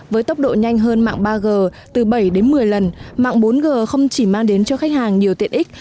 với tốc độ nhanh hơn mạng ba g từ bảy đến một mươi lần mạng bốn g không chỉ mang đến cho khách hàng nhiều tiện ích